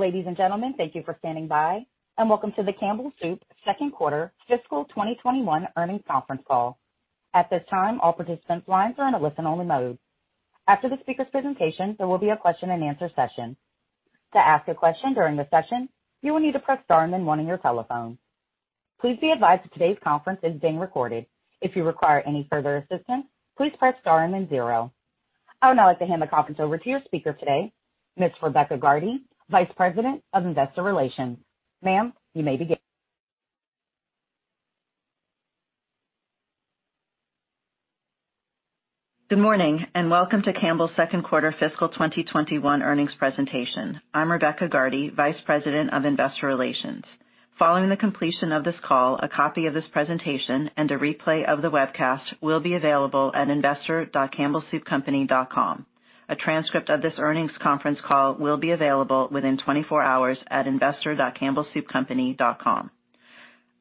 Ladies and gentlemen, thank you for standing by and welcome to the Campbell Soup Second Quarter Fiscal 2021 Earnings Conference Call. At this time, all participants' lines are in a listen-only mode. After the speaker's presentation, there will be a question and answer session. To ask a question during the session, you will need to press star and then one on your telephone. Please be advised that today's conference is being recorded. If you require any further assistance, please press star and then zero. I would now like to hand the conference over to your speaker today, Ms. Rebecca Gardy, Vice President of Investor Relations. Ma'am, you may begin. Good morning and welcome to Campbell's second quarter fiscal 2021 earnings presentation. I'm Rebecca Gardy, Vice President of Investor Relations. Following the completion of this call, a copy of this presentation and a replay of the webcast will be available at investor.campbellsoupcompany.com. A transcript of this earnings conference call will be available within 24 hours at investor.campbellsoupcompany.com.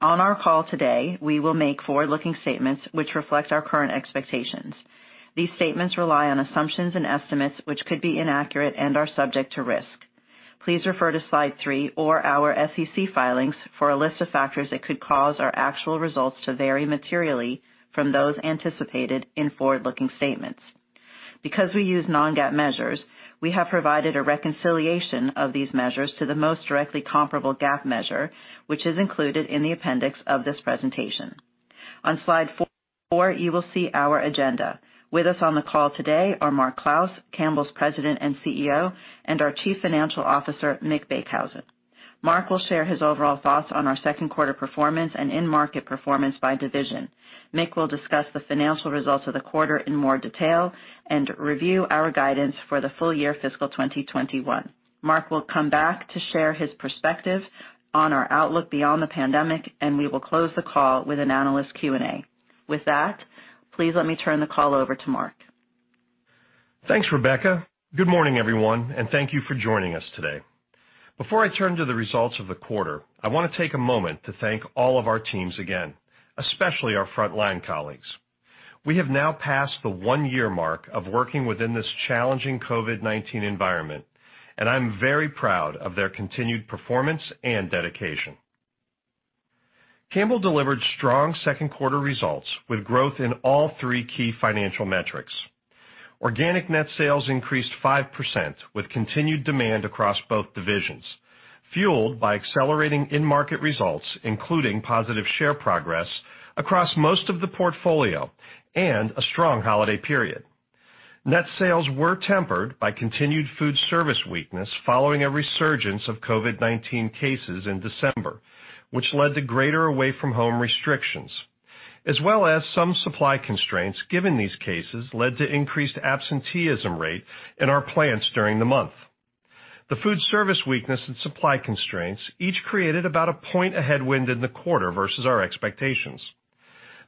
On our call today, we will make forward-looking statements which reflect our current expectations. These statements rely on assumptions and estimates which could be inaccurate and are subject to risk. Please refer to slide three or our SEC filings for a list of factors that could cause our actual results to vary materially from those anticipated in forward-looking statements. Because we use non-GAAP measures, we have provided a reconciliation of these measures to the most directly comparable GAAP measure, which is included in the appendix of this presentation. On slide four, you will see our agenda. With us on the call today are Mark Clouse, Campbell's President and CEO, and our Chief Financial Officer, Mick Beekhuizen. Mark will share his overall thoughts on our second quarter performance and in-market performance by division. Mick will discuss the financial results of the quarter in more detail and review our guidance for the full year fiscal 2021. Mark will come back to share his perspective on our outlook beyond the pandemic. We will close the call with an analyst Q&A. With that, please let me turn the call over to Mark. Thanks, Rebecca. Good morning, everyone, and thank you for joining us today. Before I turn to the results of the quarter, I want to take a moment to thank all of our teams again, especially our frontline colleagues. We have now passed the one-year mark of working within this challenging COVID-19 environment, and I'm very proud of their continued performance and dedication. Campbell delivered strong second quarter results with growth in all three key financial metrics. Organic net sales increased 5% with continued demand across both divisions, fueled by accelerating in-market results, including positive share progress across most of the portfolio and a strong holiday period. Net sales were tempered by continued foodservice weakness following a resurgence of COVID-19 cases in December, which led to greater away-from-home restrictions, as well as some supply constraints given these cases led to increased absenteeism rate in our plants during the month. The foodservice weakness and supply constraints each created about a point a headwind in the quarter versus our expectations.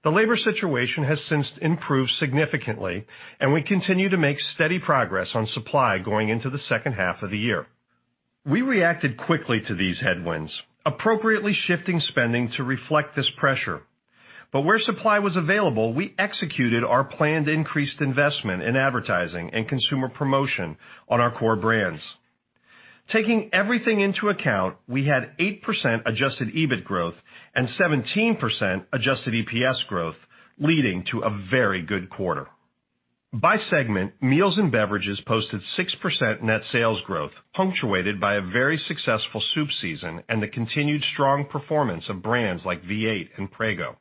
The labor situation has since improved significantly, and we continue to make steady progress on supply going into the second half of the year. We reacted quickly to these headwinds, appropriately shifting spending to reflect this pressure. Where supply was available, we executed our planned increased investment in advertising and consumer promotion on our core brands. Taking everything into account, we had 8% adjusted EBIT growth and 17% adjusted EPS growth, leading to a very good quarter. By segment, Meals & Beverages posted 6% net sales growth, punctuated by a very successful soup season and the continued strong performance of brands like V8 and Prego.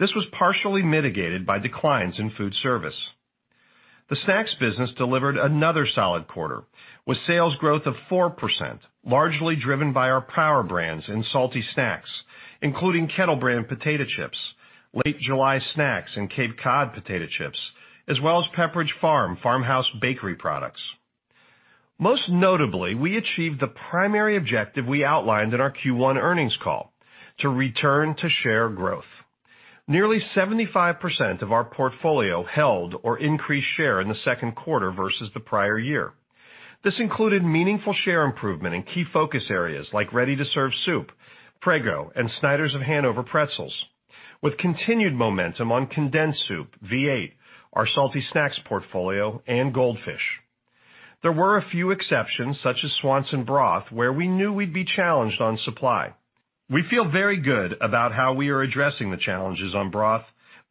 This was partially mitigated by declines in foodservice. The snacks business delivered another solid quarter with sales growth of 4%, largely driven by our power brands in salty snacks, including Kettle Brand Potato Chips, Late July Snacks, and Cape Cod Potato Chips, as well as Pepperidge Farm Farmhouse bakery products. Most notably, we achieved the primary objective we outlined in our Q1 earnings call to return to share growth. Nearly 75% of our portfolio held or increased share in the second quarter versus the prior year. This included meaningful share improvement in key focus areas like ready-to-serve soup, Prego, and Snyder's of Hanover Pretzels, with continued momentum on condensed soup, V8, our salty snacks portfolio, and Goldfish. There were a few exceptions, such as Swanson broth, where we knew we'd be challenged on supply. We feel very good about how we are addressing the challenges on broth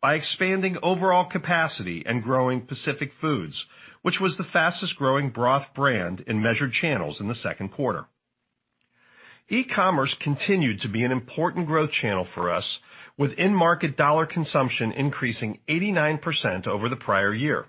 by expanding overall capacity and growing Pacific Foods, which was the fastest-growing broth brand in measured channels in the second quarter. E-commerce continued to be an important growth channel for us, with in-market dollar consumption increasing 89% over the prior year.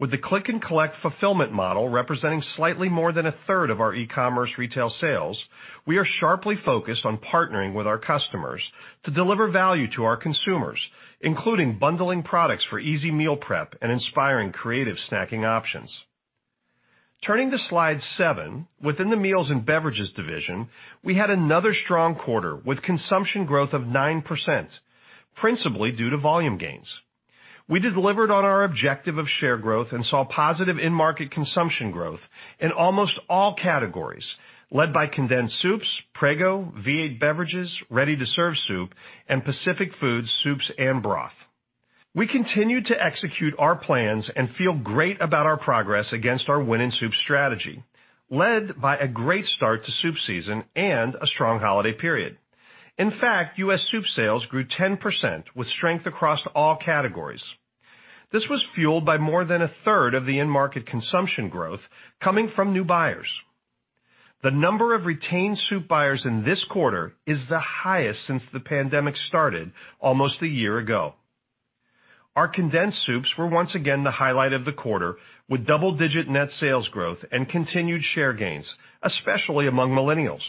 With the click and collect fulfillment model representing slightly more than a third of our e-commerce retail sales, we are sharply focused on partnering with our customers to deliver value to our consumers, including bundling products for easy meal prep and inspiring creative snacking options. Turning to slide seven, within the Meals & Beverages division, we had another strong quarter with consumption growth of 9%, principally due to volume gains. We delivered on our objective of share growth and saw positive in-market consumption growth in almost all categories, led by condensed soups, Prego, V8 beverages, ready-to-serve soup, and Pacific Foods soups and broth. We continue to execute our plans and feel great about our progress against our Win in Soup strategy, led by a great start to soup season and a strong holiday period. In fact, U.S. soup sales grew 10% with strength across all categories. This was fueled by more than a 1/3 of the in-market consumption growth coming from new buyers. The number of retained soup buyers in this quarter is the highest since the pandemic started almost a year ago. Our condensed soups were once again the highlight of the quarter, with double-digit net sales growth and continued share gains, especially among millennials.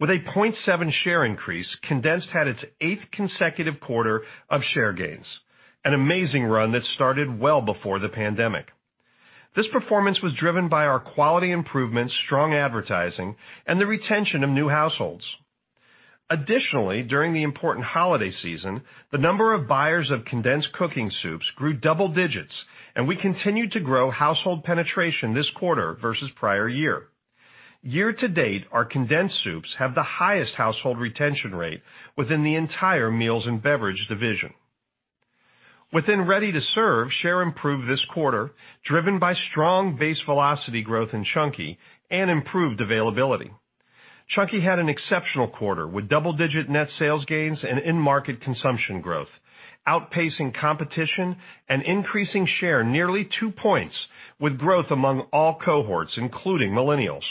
With a 0.7 share increase, condensed had its eighth consecutive quarter of share gains, an amazing run that started well before the pandemic. This performance was driven by our quality improvements, strong advertising, and the retention of new households. Additionally, during the important holiday season, the number of buyers of condensed cooking soups grew double digits, and we continued to grow household penetration this quarter versus prior year. Year-to-date, our condensed soups have the highest household retention rate within the entire Meals & Beverage division. Within ready-to-serve, share improved this quarter, driven by strong base velocity growth in Chunky and improved availability. Chunky had an exceptional quarter, with double-digit net sales gains and in-market consumption growth, outpacing competition and increasing share nearly 2 points, with growth among all cohorts, including millennials.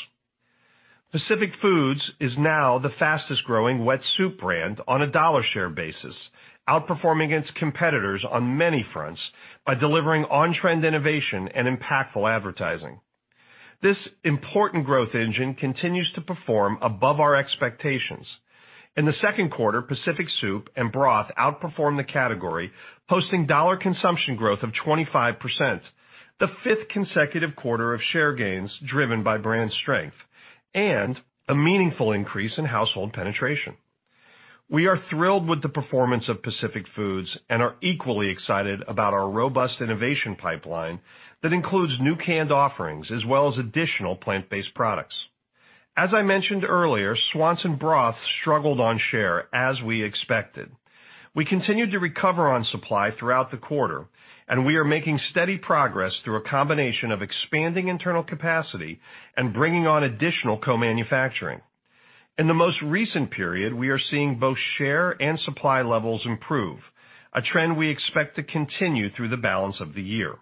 Pacific Foods is now the fastest-growing wet soup brand on a dollar share basis, outperforming its competitors on many fronts by delivering on-trend innovation and impactful advertising. This important growth engine continues to perform above our expectations. In the second quarter, Pacific soup and broth outperformed the category, posting dollar consumption growth of 25%, the fifth consecutive quarter of share gains driven by brand strength, and a meaningful increase in household penetration. We are thrilled with the performance of Pacific Foods and are equally excited about our robust innovation pipeline that includes new canned offerings as well as additional plant-based products. As I mentioned earlier, Swanson broth struggled on share, as we expected. We continued to recover on supply throughout the quarter, and we are making steady progress through a combination of expanding internal capacity and bringing on additional co-manufacturing. In the most recent period, we are seeing both share and supply levels improve, a trend we expect to continue through the balance of the year.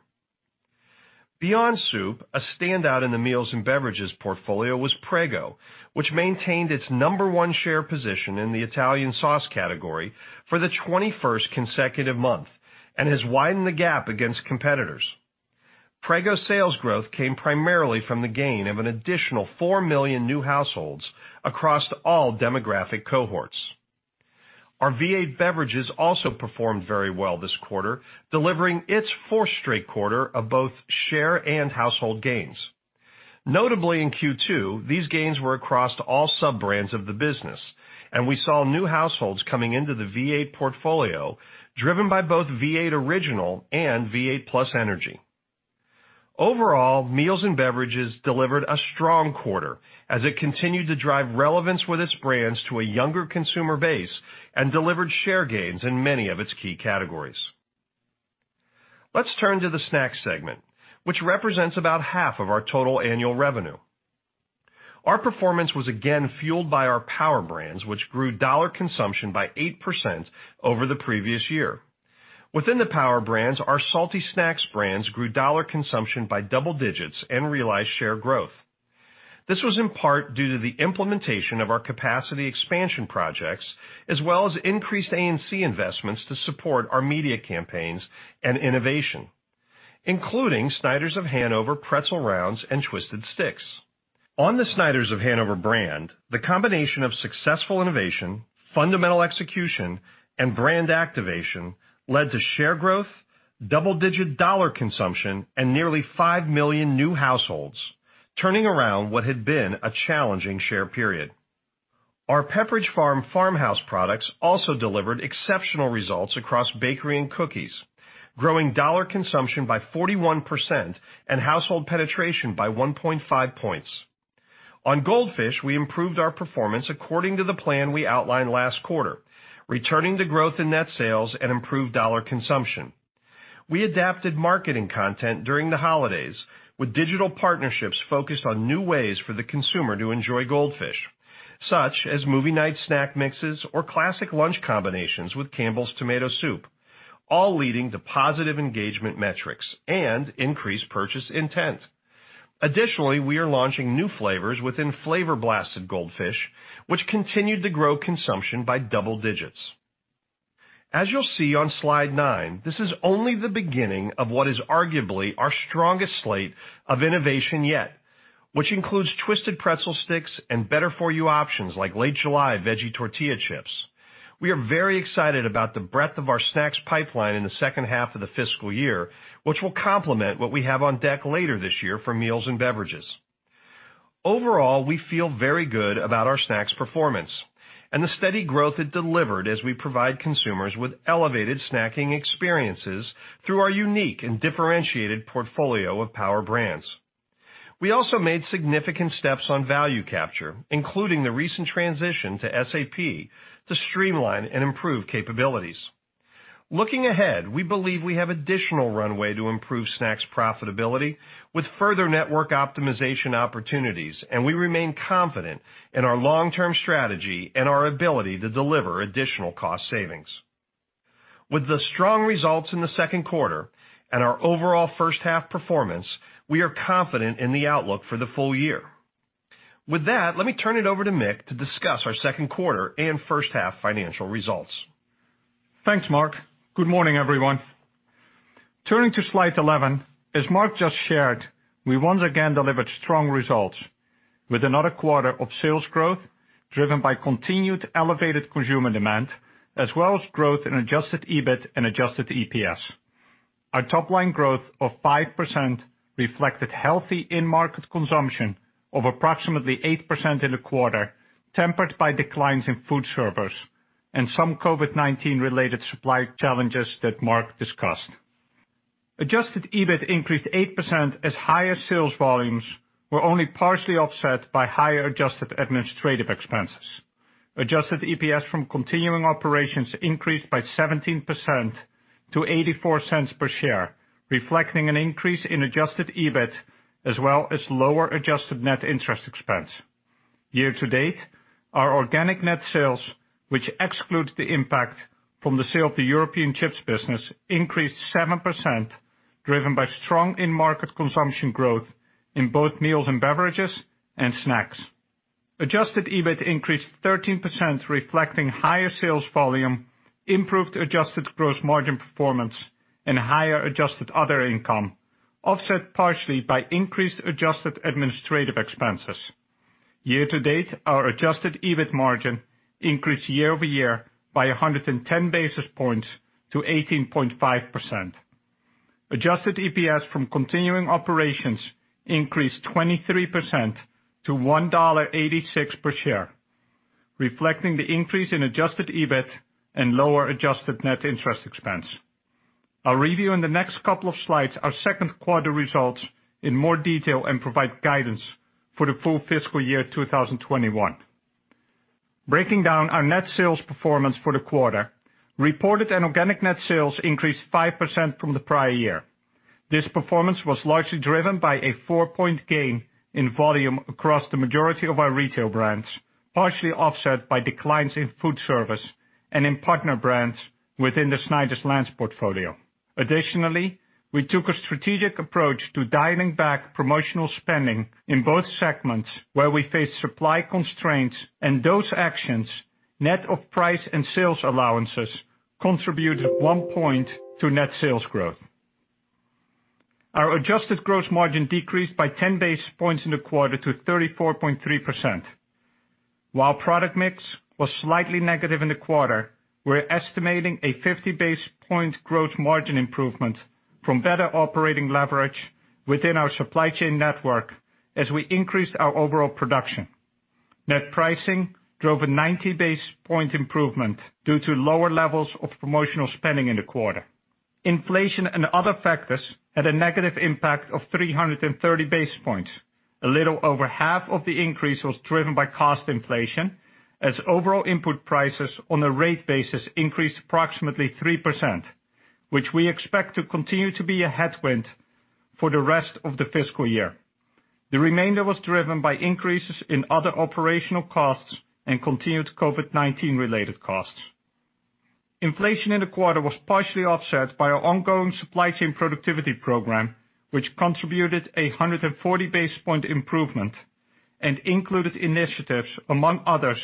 Beyond soup, a standout in the Meals & Beverages portfolio was Prego, which maintained its number one share position in the Italian sauce category for the 21st consecutive month and has widened the gap against competitors. Prego sales growth came primarily from the gain of an additional 4 million new households across all demographic cohorts. Our V8 beverages also performed very well this quarter, delivering its fourth straight quarter of both share and household gains. Notably in Q2, these gains were across all sub-brands of the business, and we saw new households coming into the V8 portfolio, driven by both V8 Original and V8 +Energy. Overall, Meals & Beverages delivered a strong quarter as it continued to drive relevance with its brands to a younger consumer base and delivered share gains in many of its key categories. Let's turn to the snacks segment, which represents about half of our total annual revenue. Our performance was again fueled by our power brands, which grew dollar consumption by 8% over the previous year. Within the power brands, our salty snacks brands grew dollar consumption by double digits and realized share growth. This was in part due to the implementation of our capacity expansion projects, as well as increased A&C investments to support our media campaigns and innovation, including Snyder's of Hanover Pretzel Rounds and twisted sticks. On the Snyder's of Hanover brand, the combination of successful innovation, fundamental execution, and brand activation led to share growth, double-digit dollar consumption, and nearly 5 million new households, turning around what had been a challenging share period. Our Pepperidge Farm Farmhouse products also delivered exceptional results across bakery and cookies, growing dollar consumption by 41% and household penetration by 1.5 points. On Goldfish, we improved our performance according to the plan we outlined last quarter, returning to growth in net sales and improved dollar consumption. We adapted marketing content during the holidays, with digital partnerships focused on new ways for the consumer to enjoy Goldfish, such as movie night snack mixes or classic lunch combinations with Campbell's Tomato Soup, all leading to positive engagement metrics and increased purchase intent. Additionally, we are launching new flavors within Flavor Blasted Goldfish, which continued to grow consumption by double digits. As you'll see on slide nine, this is only the beginning of what is arguably our strongest slate of innovation yet, which includes twisted pretzel sticks and better-for-you options like Late July Vegetable Tortilla Chips. We are very excited about the breadth of our snacks pipeline in the second half of the fiscal year, which will complement what we have on deck later this year for Meals & Beverages. Overall, we feel very good about our snacks performance and the steady growth it delivered as we provide consumers with elevated snacking experiences through our unique and differentiated portfolio of power brands. We also made significant steps on value capture, including the recent transition to SAP to streamline and improve capabilities. Looking ahead, we believe we have additional runway to improve snacks profitability with further network optimization opportunities, and we remain confident in our long-term strategy and our ability to deliver additional cost savings. With the strong results in the second quarter and our overall first half performance, we are confident in the outlook for the full year. With that, let me turn it over to Mick to discuss our second quarter and first half financial results. Thanks, Mark. Good morning, everyone. Turning to slide 11, as Mark just shared, we once again delivered strong results with another quarter of sales growth driven by continued elevated consumer demand as well as growth in adjusted EBIT and adjusted EPS. Our top-line growth of 5% reflected healthy in-market consumption of approximately 8% in the quarter, tempered by declines in foodservice and some COVID-19 related supply challenges that Mark discussed. Adjusted EBIT increased 8% as higher sales volumes were only partially offset by higher adjusted administrative expenses. Adjusted EPS from continuing operations increased by 17% to $0.84 per share, reflecting an increase in adjusted EBIT as well as lower adjusted net interest expense. Year-to-date, our organic net sales, which excludes the impact from the sale of the European Chips Business, increased 7%, driven by strong in-market consumption growth in both Meals & Beverages and snacks. Adjusted EBIT increased 13%, reflecting higher sales volume, improved adjusted gross margin performance, and higher adjusted other income, offset partially by increased adjusted administrative expenses. Year-to-date, our adjusted EBIT margin increased year-over-year by 110 basis points to 18.5%. Adjusted EPS from continuing operations increased 23% to $1.86 per share, reflecting the increase in adjusted EBIT and lower adjusted net interest expense. I'll review in the next couple of slides our second quarter results in more detail and provide guidance for the full fiscal year 2021. Breaking down our net sales performance for the quarter, reported and organic net sales increased 5% from the prior year. This performance was largely driven by a 4-point gain in volume across the majority of our retail brands, partially offset by declines in foodservice and in partner brands within the Snyder's-Lance portfolio. Additionally, we took a strategic approach to dialing back promotional spending in both segments where we faced supply constraints, and those actions, net of price and sales allowances, contributed 1 point to net sales growth. Our adjusted gross margin decreased by 10 basis points in the quarter to 34.3%. While product mix was slightly negative in the quarter, we're estimating a 50-basis point gross margin improvement from better operating leverage within our supply chain network as we increased our overall production. Net pricing drove a 90-basis point improvement due to lower levels of promotional spending in the quarter. Inflation and other factors had a negative impact of 330 basis points. A little over half of the increase was driven by cost inflation as overall input prices on a rate basis increased approximately 3%, which we expect to continue to be a headwind for the rest of the fiscal year. The remainder was driven by increases in other operational costs and continued COVID-19 related costs. Inflation in the quarter was partially offset by our ongoing Supply Chain Productivity Program, which contributed 140 basis point improvement and included initiatives, among others,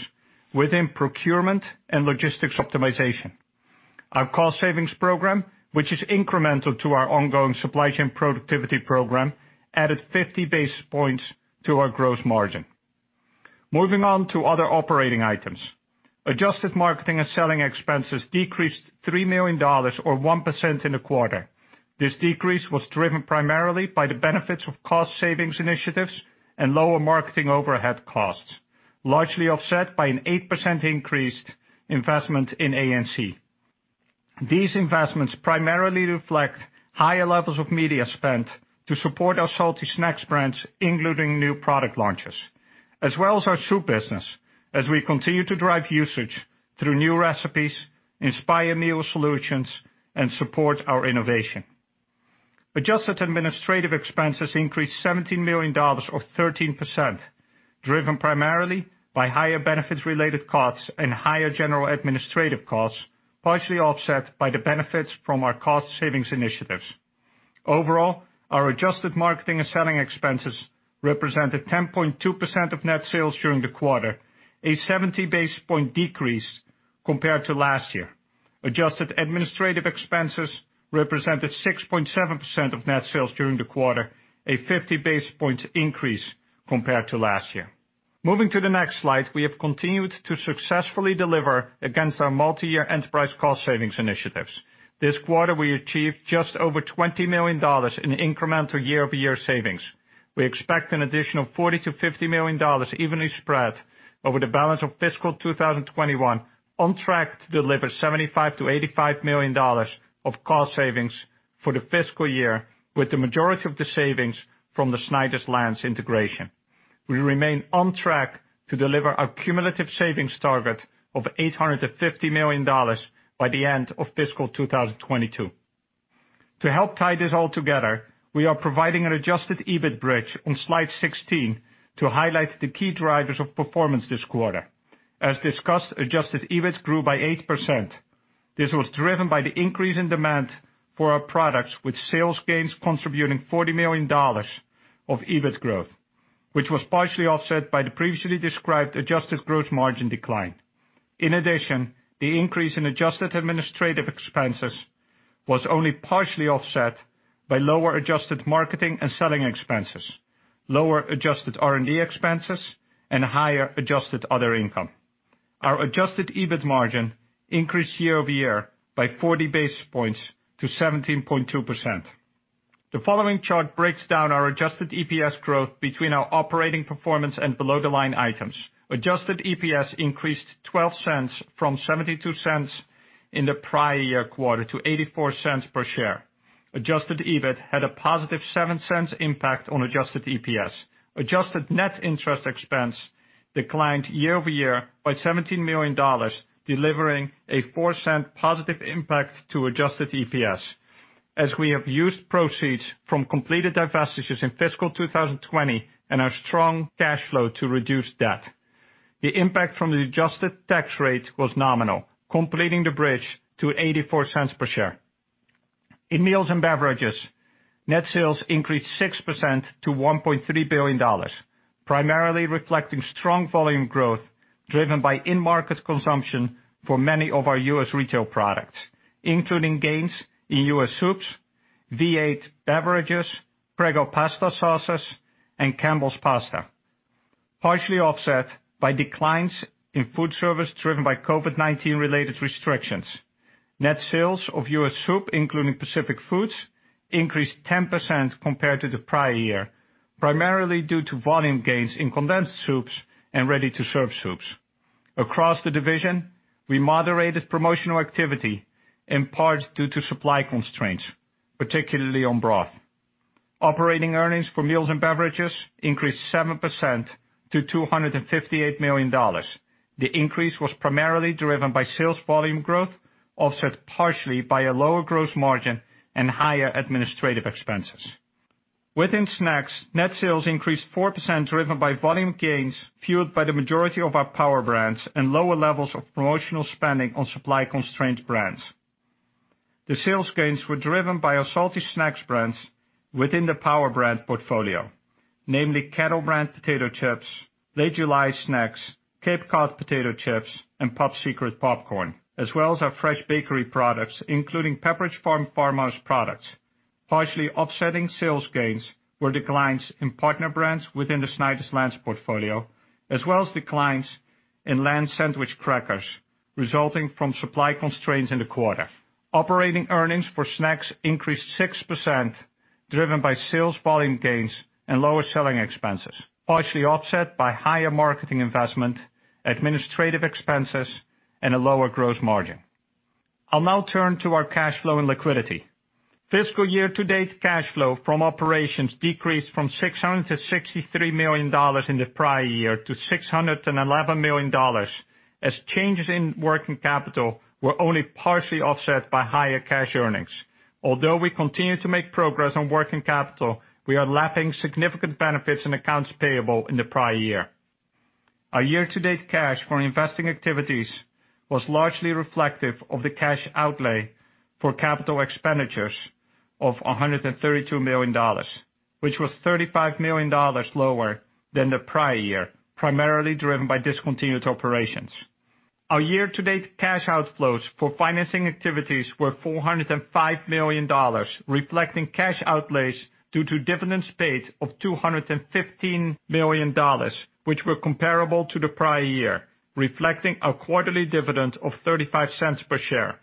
within procurement and logistics optimization. Our Cost Savings Program, which is incremental to our ongoing Supply Chain Productivity Program, added 50 basis points to our gross margin. Moving on to other operating items. Adjusted marketing and selling expenses decreased $3 million, or 1% in the quarter. This decrease was driven primarily by the benefits of cost savings initiatives and lower marketing overhead costs, largely offset by an 8% increase investment in A&C. These investments primarily reflect higher levels of media spend to support our salty snacks brands, including new product launches, as well as our soup business as we continue to drive usage through new recipes, inspire meal solutions, and support our innovation. Adjusted administrative expenses increased $17 million or 13%, driven primarily by higher benefits-related costs and higher general administrative costs, partially offset by the benefits from our cost savings initiatives. Our adjusted marketing and selling expenses represented 10.2% of net sales during the quarter, a 70-basis point decrease compared to last year. Adjusted administrative expenses represented 6.7% of net sales during the quarter, a 50-basis point increase compared to last year. Moving to the next slide, we have continued to successfully deliver against our multi-year enterprise cost savings initiatives. This quarter, we achieved just over $20 million in incremental year-over-year savings. We expect an additional $40 million-$50 million evenly spread over the balance of fiscal 2021, on track to deliver $75 million-$85 million of cost savings for the fiscal year, with the majority of the savings from the Snyder's-Lance integration. We remain on track to deliver our cumulative savings target of $850 million by the end of fiscal 2022. To help tie this all together, we are providing an adjusted EBIT bridge on slide 16 to highlight the key drivers of performance this quarter. As discussed, adjusted EBIT grew by 8%. This was driven by the increase in demand for our products, with sales gains contributing $40 million of EBIT growth, which was partially offset by the previously described adjusted gross margin decline. In addition, the increase in adjusted administrative expenses was only partially offset by lower adjusted marketing and selling expenses, lower adjusted R&D expenses, and higher adjusted other income. Our adjusted EBIT margin increased year-over-year by 40 basis points to 17.2%. The following chart breaks down our adjusted EPS growth between our operating performance and below the line items. Adjusted EPS increased $0.12 from $0.72 in the prior year quarter to $0.84 per share. Adjusted EBIT had a positive $0.07 impact on adjusted EPS. Adjusted net interest expense declined year-over-year by $17 million, delivering a $0.04 positive impact to adjusted EPS, as we have used proceeds from completed divestitures in fiscal 2020 and our strong cash flow to reduce debt. The impact from the adjusted tax rate was nominal, completing the bridge to $0.84 per share. In Meals & Beverages, net sales increased 6% to $1.3 billion, primarily reflecting strong volume growth driven by in-market consumption for many of our U.S. retail products, including gains in U.S. soups, V8 beverages, Prego pasta sauces, and Campbell's pasta, partially offset by declines in foodservice driven by COVID-19 related restrictions. Net sales of U.S. soup, including Pacific Foods, increased 10% compared to the prior year, primarily due to volume gains in condensed soups and ready-to-serve soups. Across the division, we moderated promotional activity in part due to supply constraints, particularly on broth. Operating earnings for Meals & Beverages increased 7% to $258 million. The increase was primarily driven by sales volume growth, offset partially by a lower gross margin and higher administrative expenses. Within Snacks, net sales increased 4%, driven by volume gains fueled by the majority of our power brands and lower levels of promotional spending on supply-constrained brands. The sales gains were driven by our salty snacks brands within the power brand portfolio, namely Kettle Brand Potato Chips, Late July Snacks, Cape Cod Potato Chips, and Pop Secret Popcorn, as well as our fresh bakery products, including Pepperidge Farm Farmhouse products. Partially offsetting sales gains were declines in partner brands within the Snyder's-Lance portfolio, as well as declines in Lance sandwich crackers resulting from supply constraints in the quarter. Operating earnings for Snacks increased 6%, driven by sales volume gains and lower selling expenses, partially offset by higher marketing investment, administrative expenses, and a lower gross margin. I'll now turn to our cash flow and liquidity. Fiscal year-to-date cash flow from operations decreased from $663 million in the prior year to $611 million as changes in working capital were only partially offset by higher cash earnings. Although we continue to make progress on working capital, we are lapping significant benefits in accounts payable in the prior year. Our year-to-date cash for investing activities was largely reflective of the cash outlay for capital expenditures of $132 million, which was $35 million lower than the prior year, primarily driven by discontinued operations. Our year-to-date cash outflows for financing activities were $405 million, reflecting cash outlays due to dividends paid of $215 million, which were comparable to the prior year, reflecting our quarterly dividend of $0.35 per share.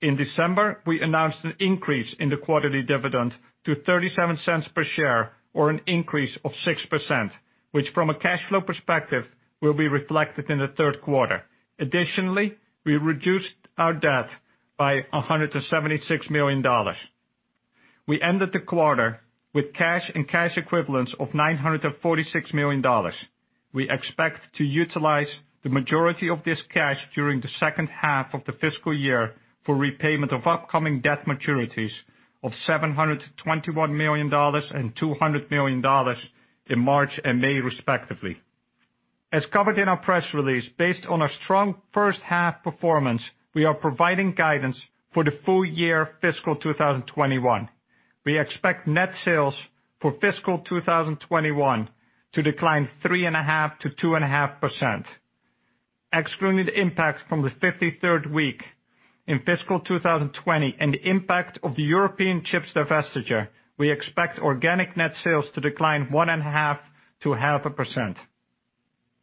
In December, we announced an increase in the quarterly dividend to $0.37 per share, or an increase of 6%, which, from a cash flow perspective, will be reflected in the third quarter. Additionally, we reduced our debt by $176 million. We ended the quarter with cash and cash equivalents of $946 million. We expect to utilize the majority of this cash during the second half of the fiscal year for repayment of upcoming debt maturities of $721 million and $200 million in March and May, respectively. As covered in our press release, based on our strong first half performance, we are providing guidance for the full year fiscal 2021. We expect net sales for fiscal 2021 to decline 3.5%-2.5%. Excluding the impacts from the 53rd week in fiscal 2020 and the impact of the European chips divestiture, we expect organic net sales to decline 1.5%-0.5%.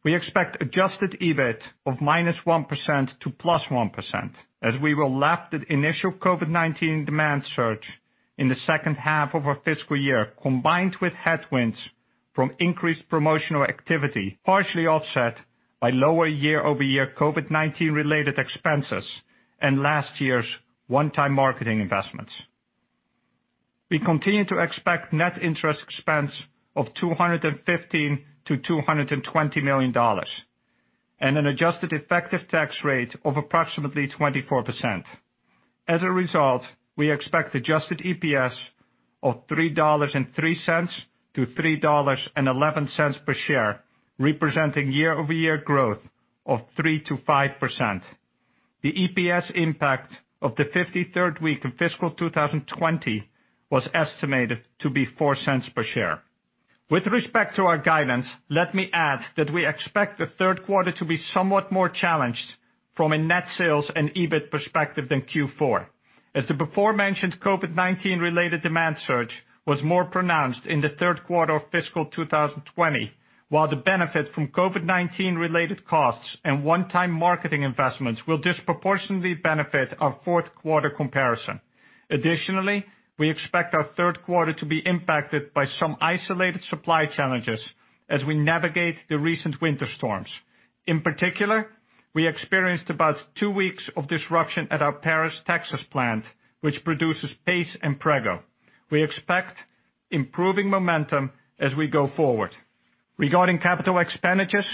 We expect adjusted EBIT of -1% to +1% as we will lap the initial COVID-19 demand surge in the second half of our fiscal year, combined with headwinds from increased promotional activity, partially offset by lower year-over-year COVID-19 related expenses and last year's one-time marketing investments. We continue to expect net interest expense of $215 million-$220 million, and an adjusted effective tax rate of approximately 24%. As a result, we expect adjusted EPS of $3.03-$3.11 per share, representing year-over-year growth of 3% to 5%. The EPS impact of the 53rd week of fiscal 2020 was estimated to be $0.04 per share. With respect to our guidance, let me add that we expect the third quarter to be somewhat more challenged from a net sales and EBIT perspective than Q4, as the beforementioned COVID-19 related demand surge was more pronounced in the third quarter of fiscal 2020, while the benefit from COVID-19 related costs and one-time marketing investments will disproportionately benefit our fourth quarter comparison. Additionally, we expect our third quarter to be impacted by some isolated supply challenges as we navigate the recent winter storms. In particular, we experienced about two weeks of disruption at our Paris, Texas plant, which produces Pace and Prego. We expect improving momentum as we go forward. Regarding capital expenditures,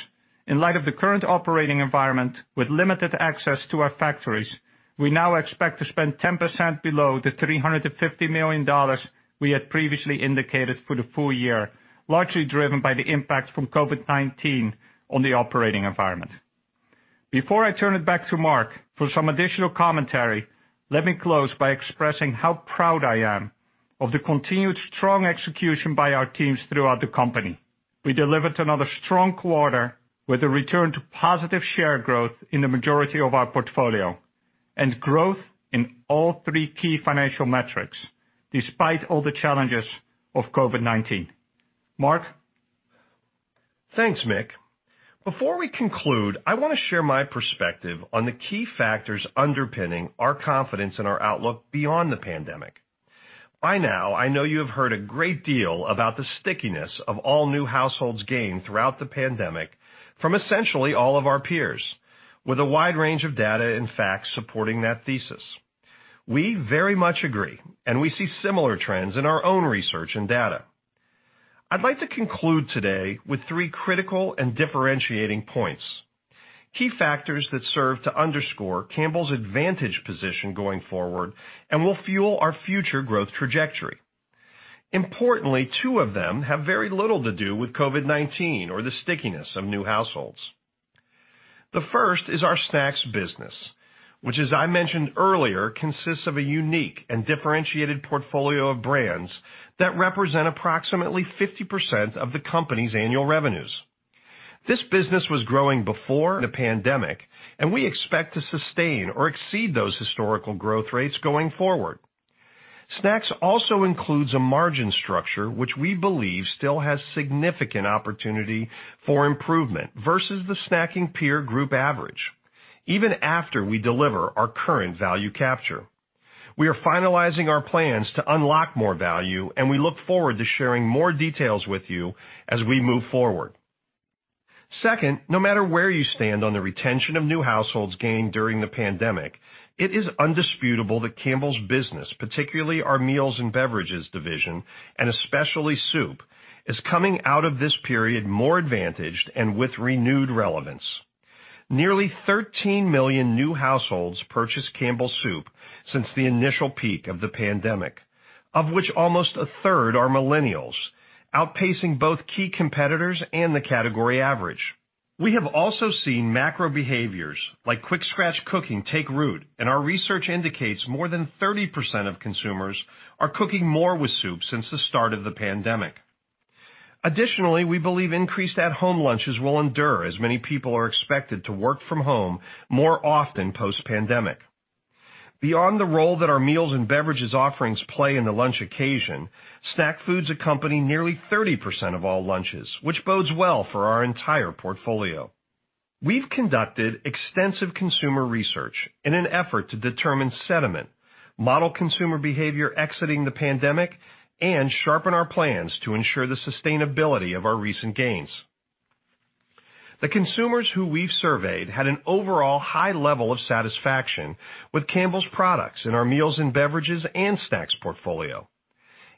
in light of the current operating environment with limited access to our factories, we now expect to spend 10% below the $350 million we had previously indicated for the full year, largely driven by the impact from COVID-19 on the operating environment. Before I turn it back to Mark for some additional commentary, let me close by expressing how proud I am of the continued strong execution by our teams throughout the company. We delivered another strong quarter with a return to positive share growth in the majority of our portfolio and growth in all three key financial metrics, despite all the challenges of COVID-19. Mark? Thanks, Mick. Before we conclude, I want to share my perspective on the key factors underpinning our confidence in our outlook beyond the pandemic. By now, I know you have heard a great deal about the stickiness of all new households gained throughout the pandemic from essentially all of our peers, with a wide range of data and facts supporting that thesis. We very much agree, and we see similar trends in our own research and data. I'd like to conclude today with three critical and differentiating points, key factors that serve to underscore Campbell's advantage position going forward and will fuel our future growth trajectory. Importantly, two of them have very little to do with COVID-19 or the stickiness of new households. The first is our snacks business, which as I mentioned earlier, consists of a unique and differentiated portfolio of brands that represent approximately 50% of the company's annual revenues. This business was growing before the pandemic, and we expect to sustain or exceed those historical growth rates going forward. Snacks also includes a margin structure which we believe still has significant opportunity for improvement versus the snacking peer group average, even after we deliver our current value capture. We are finalizing our plans to unlock more value, and we look forward to sharing more details with you as we move forward. Second, no matter where you stand on the retention of new households gained during the pandemic, it is undisputable that Campbell's business, particularly our Meals & Beverages division, and especially soup, is coming out of this period more advantaged and with renewed relevance. Nearly 13 million new households purchased Campbell Soup since the initial peak of the pandemic, of which almost a third are millennials, outpacing both key competitors and the category average. We have also seen macro behaviors like quick scratch cooking take root, and our research indicates more than 30% of consumers are cooking more with soup since the start of the pandemic. Additionally, we believe increased at-home lunches will endure as many people are expected to work from home more often post-pandemic. Beyond the role that our Meals & Beverages offerings play in the lunch occasion, snack foods accompany nearly 30% of all lunches, which bodes well for our entire portfolio. We've conducted extensive consumer research in an effort to determine sentiment, model consumer behavior exiting the pandemic, and sharpen our plans to ensure the sustainability of our recent gains. The consumers who we've surveyed had an overall high level of satisfaction with Campbell's products in our Meals & Beverages and snacks portfolio.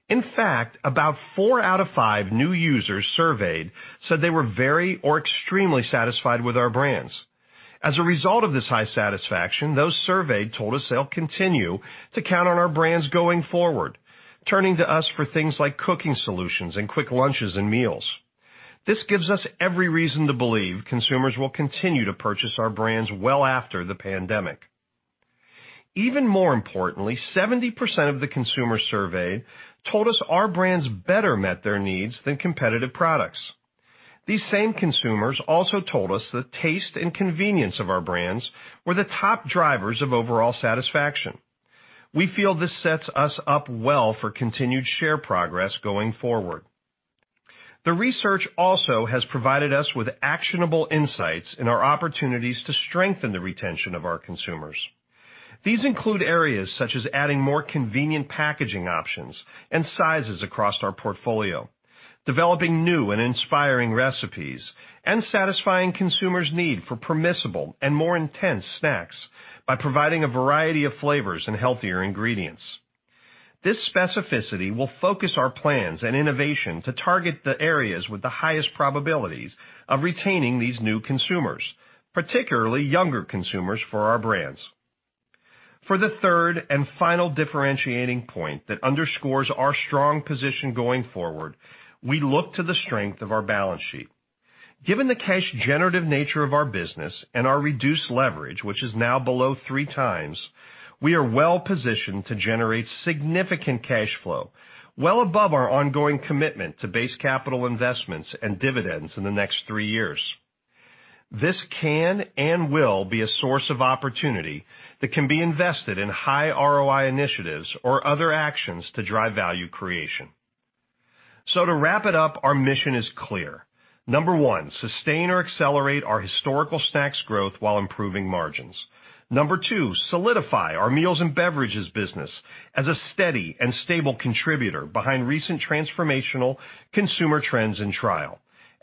In fact, about four out of five new users surveyed said they were very or extremely satisfied with our brands. As a result of this high satisfaction, those surveyed told us they'll continue to count on our brands going forward, turning to us for things like cooking solutions and quick lunches and meals. This gives us every reason to believe consumers will continue to purchase our brands well after the pandemic. Even more importantly, 70% of the consumers surveyed told us our brands better met their needs than competitive products. These same consumers also told us the taste and convenience of our brands were the top drivers of overall satisfaction. We feel this sets us up well for continued share progress going forward. The research also has provided us with actionable insights in our opportunities to strengthen the retention of our consumers. These include areas such as adding more convenient packaging options and sizes across our portfolio, developing new and inspiring recipes, and satisfying consumers' need for permissible and more intense snacks by providing a variety of flavors and healthier ingredients. This specificity will focus our plans and innovation to target the areas with the highest probabilities of retaining these new consumers, particularly younger consumers, for our brands. The third and final differentiating point that underscores our strong position going forward, we look to the strength of our balance sheet. Given the cash generative nature of our business and our reduced leverage, which is now below 3x, we are well positioned to generate significant cash flow well above our ongoing commitment to base capital investments and dividends in the next three years. This can and will be a source of opportunity that can be invested in high ROI initiatives or other actions to drive value creation. To wrap it up, our mission is clear. Number one, sustain or accelerate our historical snacks growth while improving margins. Number two, solidify our Meals & Beverages business as a steady and stable contributor behind recent transformational consumer trends and trial.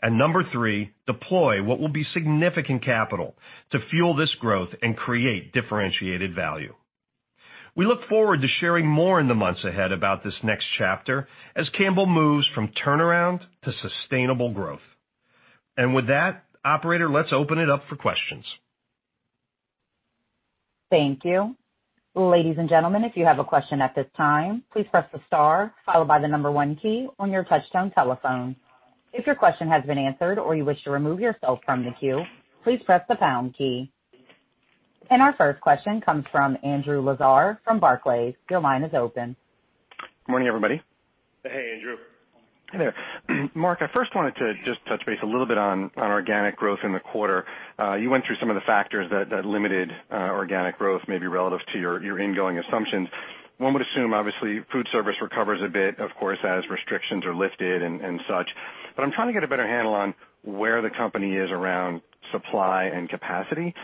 Number three, deploy what will be significant capital to fuel this growth and create differentiated value. We look forward to sharing more in the months ahead about this next chapter as Campbell moves from turnaround to sustainable growth. With that, operator, let's open it up for questions. Thank you. Ladies and gentlemen, if you have a question at this time, please press the star followed by the number one key on your touchtone telephone. If your question has been answered or you wish to remove yourself from the queue, please press the pound key. Our first question comes from Andrew Lazar from Barclays. Your line is open. Morning, everybody. Hey, Andrew. Hey there. Mark, I first wanted to just touch base a little bit on organic growth in the quarter. You went through some of the factors that limited organic growth, maybe relative to your ingoing assumptions. One would assume, obviously, foodservice recovers a bit, of course, as restrictions are lifted and such. I'm trying to get a better handle on where the company is around supply and capacity.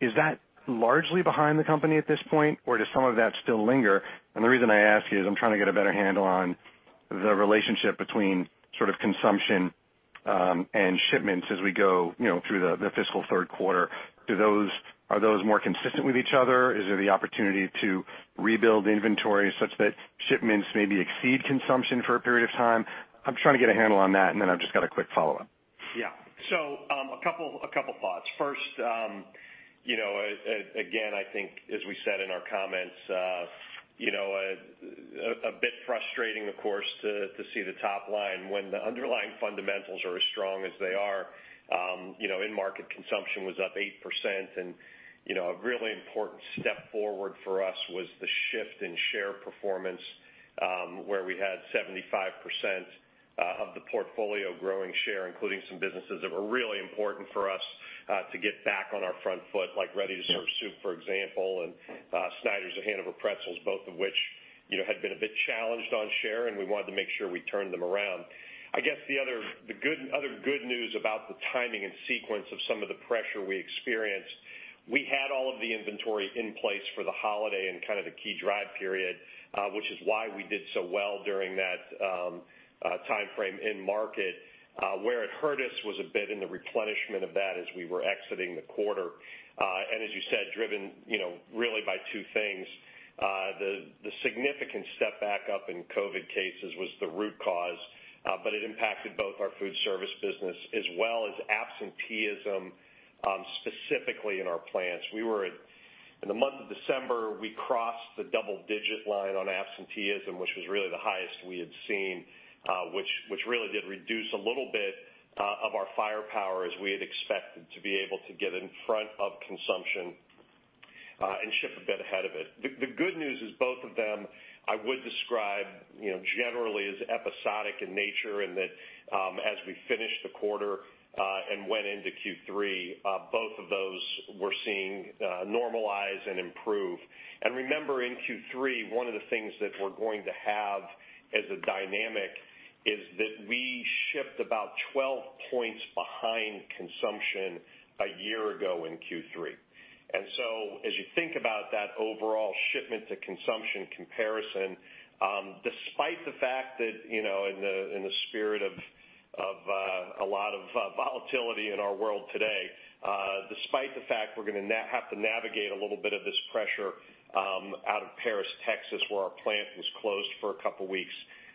Is that largely behind the company at this point, or does some of that still linger? The reason I ask is I'm trying to get a better handle on the relationship between sort of consumption and shipments as we go through the fiscal third quarter. Are those more consistent with each other? Is there the opportunity to rebuild inventories such that shipments maybe exceed consumption for a period of time? I'm trying to get a handle on that, and then I've just got a quick follow-up. A couple thoughts. First, again, I think as we said in our comments, a bit frustrating, of course, to see the top line when the underlying fundamentals are as strong as they are. In market, consumption was up 8%, and a really important step forward for us was the shift in share performance, where we had 75% of the portfolio growing share, including some businesses that were really important for us to get back on our front foot, like ready-to-serve soup, for example, and Snyder's of Hanover Pretzels, both of which had been a bit challenged on share, and we wanted to make sure we turned them around. I guess the other good news about the timing and sequence of some of the pressure we experienced, we had all of the inventory in place for the holiday and kind of the key drive period, which is why we did so well during that timeframe in market. Where it hurt us was a bit in the replenishment of that as we were exiting the quarter. As you said, driven really by two things. The significant stepback up in COVID-19 cases was the root cause, but it impacted both our foodservice business as well as absenteeism, specifically in our plants. In the month of December, we crossed the double-digit line on absenteeism, which was really the highest we had seen, which really did reduce a little bit of our firepower as we had expected to be able to get in front of consumption and ship a bit ahead of it. The good news is both of them, I would describe, generally as episodic in nature. As we finished the quarter and went into Q3, both of those we are seeing normalize and improve. Remember, in Q3, one of the things that we are going to have as a dynamic is that we shipped about 12 points behind consumption a year ago in Q3. As you think about that overall shipment to consumption comparison, despite the fact that in the spirit of a lot of volatility in our world today, despite the fact we're going to have to navigate a little bit of this pressure out of Paris, Texas, where our plant was closed for a couple of weeks.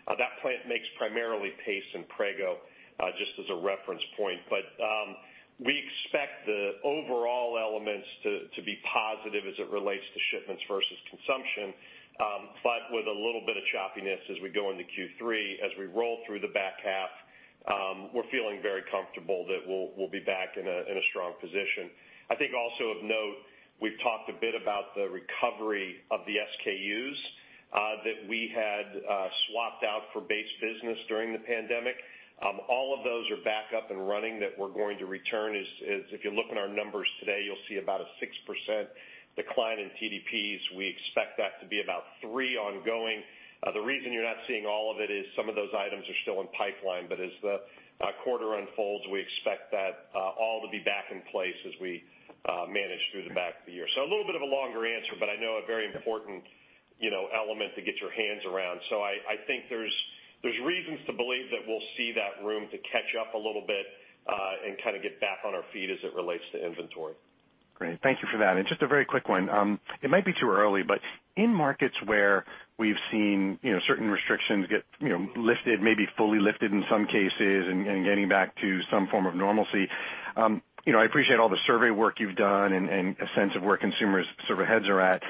That plant makes primarily Pace and Prego, just as a reference point. We expect the overall elements to be positive as it relates to shipments versus consumption. With a little bit of choppiness as we go into Q3, as we roll through the back half, we're feeling very comfortable that we'll be back in a strong position. I think also of note, we've talked a bit about the recovery of the SKUs that we had swapped out for base business during the pandemic. All of those are back up and running that we're going to return. If you look in our numbers today, you'll see about a 6% decline in TDPs. We expect that to be about three ongoing. The reason you're not seeing all of it is some of those items are still in pipeline, but as the quarter unfolds, we expect that all to be back in place as we manage through the back of the year. A little bit of a longer answer, but I know a very important element to get your hands around. I think there's reasons to believe that we'll see that room to catch up a little bit and kind of get back on our feet as it relates to inventory. Great. Thank you for that. Just a very quick one. It might be too early, but in markets where we've seen certain restrictions get lifted, maybe fully lifted in some cases, and getting back to some form of normalcy. I appreciate all the survey work you've done and a sense of where consumers' heads are at.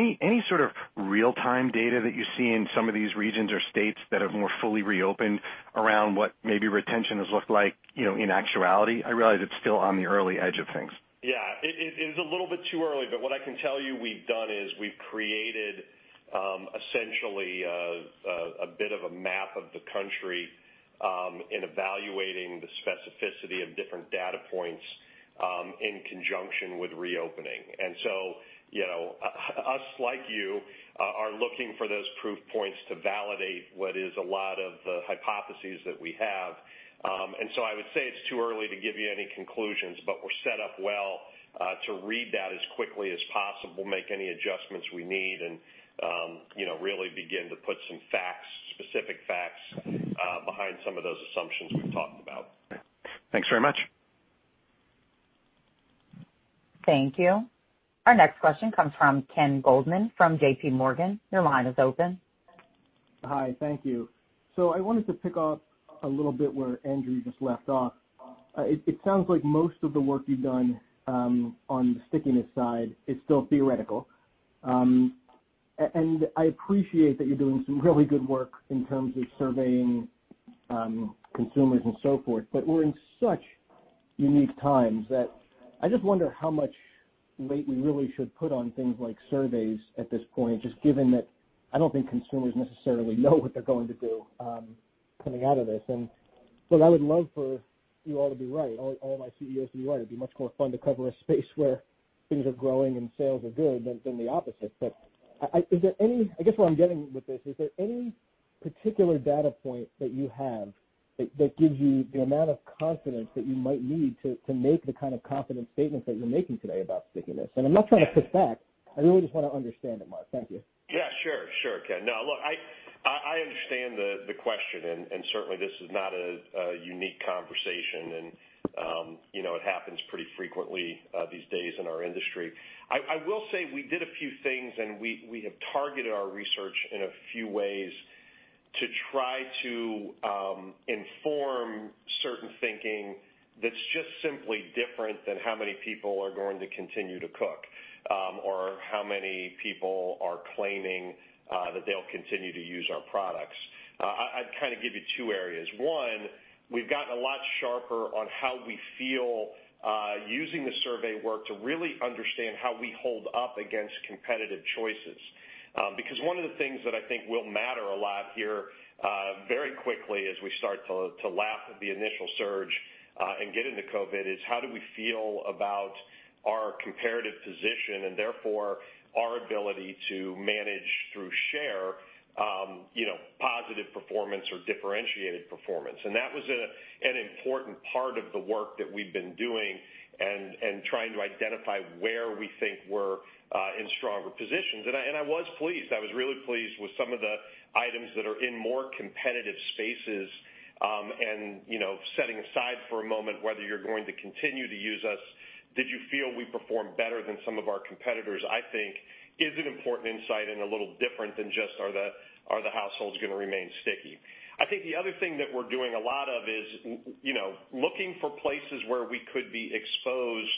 Any sort of real-time data that you see in some of these regions or states that have more fully reopened around what maybe retention has looked like in actuality? I realize it's still on the early edge of things. Yeah. It is a little bit too early, but what I can tell you we've done is we've created essentially, a bit of a map of the country, in evaluating the specificity of different data points in conjunction with reopening. Us, like you, are looking for those proof points to validate what is a lot of the hypotheses that we have. I would say it's too early to give you any conclusions, but we're set up well to read that as quickly as possible, make any adjustments we need, and really begin to put some specific facts behind some of those assumptions we've talked about. Thanks very much. Thank you. Our next question comes from Ken Goldman from JPMorgan. Your line is open. Hi. Thank you. I wanted to pick up a little bit where Andrew just left off. It sounds like most of the work you've done on the stickiness side is still theoretical. I appreciate that you're doing some really good work in terms of surveying consumers and so forth, but we're in such unique times that I just wonder how much weight we really should put on things like surveys at this point, just given that I don't think consumers necessarily know what they're going to do coming out of this. I would love for you all to be right, all my CEOs to be right. It'd be much more fun to cover a space where things are growing and sales are good than the opposite. I guess what I'm getting at with this, is there any particular data point that you have that gives you the amount of confidence that you might need to make the kind of confident statements that you're making today about stickiness? I'm not trying to push back, I really just want to understand it, Mark. Thank you. Yeah, sure, Ken. No, look, I understand the question and certainly this is not a unique conversation. It happens pretty frequently these days in our industry. I will say we did a few things, and we have targeted our research in a few ways to try to inform certain thinking that's just simply different than how many people are going to continue to cook, or how many people are claiming that they'll continue to use our products. I'd give you two areas. One, we've gotten a lot sharper on how we feel using the survey work to really understand how we hold up against competitive choices. One of the things that I think will matter a lot here very quickly as we start to lap the initial surge and get into COVID is how do we feel about our comparative position and therefore our ability to manage through share, positive performance or differentiated performance. That was an important part of the work that we'd been doing and trying to identify where we think we're in stronger positions. I was pleased. I was really pleased with some of the items that are in more competitive spaces, and setting aside for a moment whether you're going to continue to use us, did you feel we performed better than some of our competitors, I think is an important insight and a little different than just are the households going to remain sticky. I think the other thing that we're doing a lot of is looking for places where we could be exposed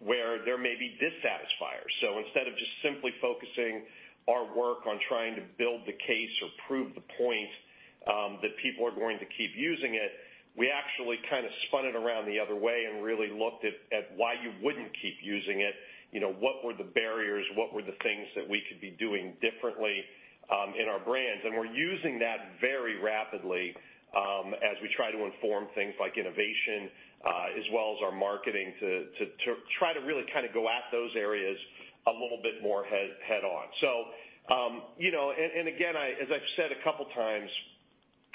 where there may be dissatisfiers. Instead of just simply focusing our work on trying to build the case or prove the point that people are going to keep using it, we actually kind of spun it around the other way and really looked at why you wouldn't keep using it. What were the barriers? What were the things that we could be doing differently in our brands? We're using that very rapidly as we try to inform things like innovation as well as our marketing to try to really go at those areas a little bit more head-on. Again, as I've said a couple of times,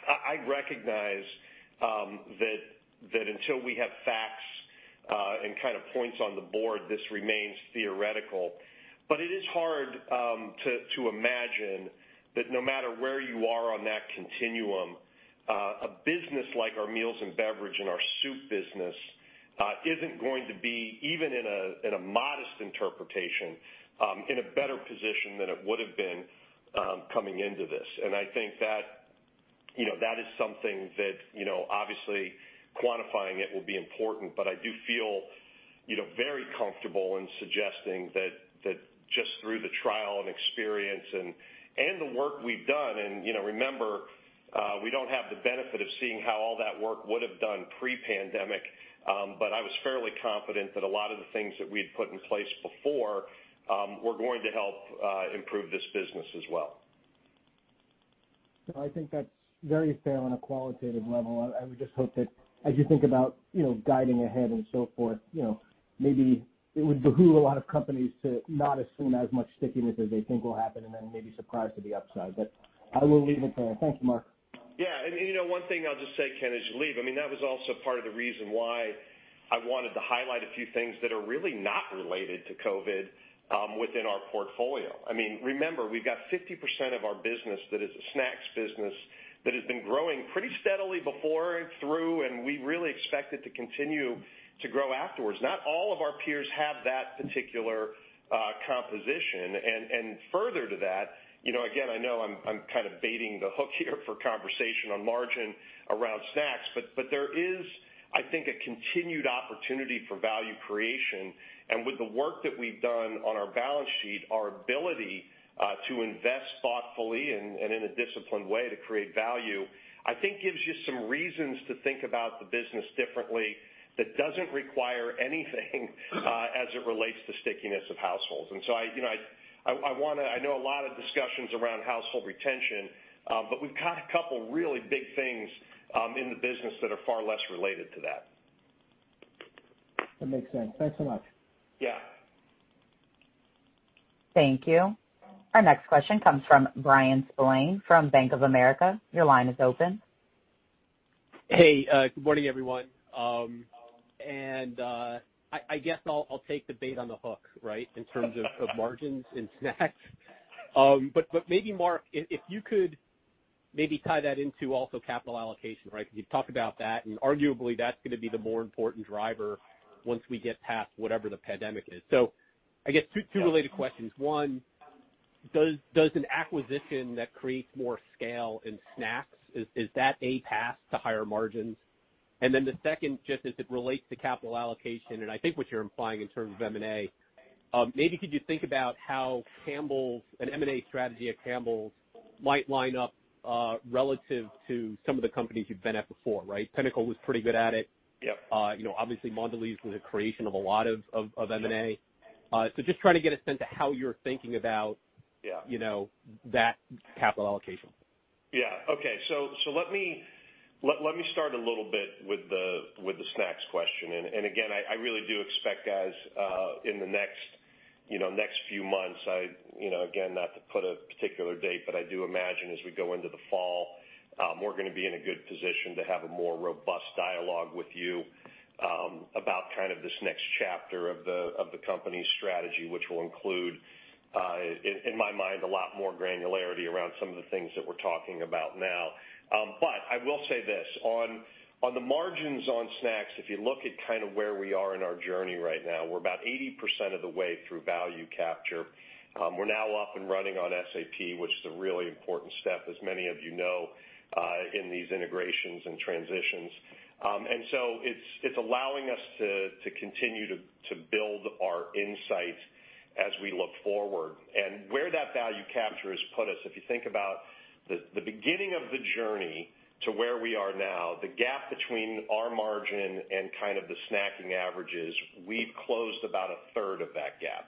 I recognize that until we have facts and points on the board, this remains theoretical. It is hard to imagine that no matter where you are on that continuum, a business like our Meals & Beverages and our soup business isn't going to be, even in a modest interpretation, in a better position than it would have been coming into this. I think that is something that obviously quantifying it will be important, but I do feel very comfortable in suggesting that just through the trial and experience and the work we've done, and remember, we don't have the benefit of seeing how all that work would have done pre-pandemic, but I was fairly confident that a lot of the things that we had put in place before were going to help improve this business as well. I think that's very fair on a qualitative level. I would just hope that as you think about guiding ahead and so forth, maybe it would behoove a lot of companies to not assume as much stickiness as they think will happen and then may be surprised to the upside. I will leave it there. Thank you, Mark. Yeah. One thing I'll just say, Ken, as you leave, that was also part of the reason why I wanted to highlight a few things that are really not related to COVID-19 within our portfolio. Remember, we've got 50% of our business that is a snacks business that has been growing pretty steadily before, through, and we really expect it to continue to grow afterwards. Not all of our peers have that particular composition. Further to that, again, I know I'm kind of baiting the hook here for conversation on margin around snacks, but there is, I think, a continued opportunity for value creation. With the work that we've done on our balance sheet, our ability to invest thoughtfully and in a disciplined way to create value, I think gives you some reasons to think about the business differently that doesn't require anything as it relates to stickiness of households. I know a lot of discussions around household retention, but we've got a couple really big things in the business that are far less related to that. That makes sense. Thanks so much. Yeah. Thank you. Our next question comes from Bryan Spillane from Bank of America. Your line is open. Hey, good morning, everyone. I guess I'll take the bait on the hook, right, in terms of margins in snacks. Maybe, Mark, if you could maybe tie that into also capital allocation, right? Because you've talked about that, and arguably that's going to be the more important driver once we get past whatever the pandemic is. I guess two related questions. One, does an acquisition that creates more scale in snacks, is that a path to higher margins? Then the second, just as it relates to capital allocation, and I think what you're implying in terms of M&A, maybe could you think about how an M&A strategy at Campbell's might line up relative to some of the companies you've been at before, right? Pinnacle was pretty good at it. Yep. Obviously Mondelez was a creation of a lot of M&A. Just trying to get a sense of how you're thinking about- Yeah. ....that capital allocation. Yeah. Okay. Let me start a little bit with the snacks question. Again, I really do expect, guys, in the next few months, again, not to put a particular date, I do imagine as we go into the fall, we're going to be in a good position to have a more robust dialogue with you about this next chapter of the company's strategy, which will include, in my mind, a lot more granularity around some of the things that we're talking about now. I will say this. On the margins on snacks, if you look at where we are in our journey right now, we're about 80% of the way through value capture. We're now up and running on SAP, which is a really important step, as many of you know, in these integrations and transitions. It's allowing us to continue to build our insight as we look forward. Where that value capture has put us, if you think about the beginning of the journey to where we are now, the gap between our margin and the snacking averages, we've closed about a third of that gap.